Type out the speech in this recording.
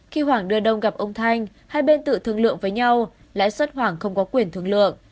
khi hoàng đưa đông gặp ông thanh hai bên tự thương lượng với nhau lãi suất hoàng không có quyền thương lượng